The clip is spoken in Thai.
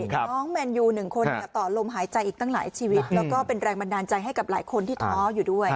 น้องแมนยูหนึ่งคนต่อลมหายใจอีกตั้งหลายชีวิตแล้วก็เป็นแรงบันดาลใจให้กับหลายคนที่ท้ออยู่ด้วย